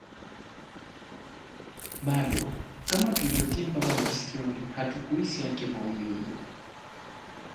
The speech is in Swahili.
Bado, kama tuliotia pamba masikioni hatukuhisi yake maumivu